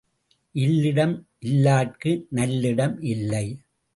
இல்லிடம் இல்லார்க்கு நல்லிடம் இல்லை.